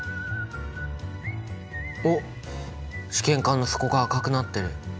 おっ試験管の底が赤くなってる。